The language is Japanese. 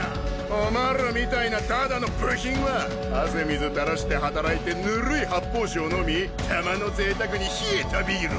お前らみたいなただの部品は汗水たらして働いてぬるい発泡酒を飲みたまのぜいたくに冷えたビールを飲む。